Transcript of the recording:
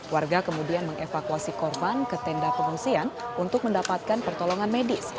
warga kemudian mengevakuasi korban ke tenda pengungsian untuk mendapatkan pertolongan medis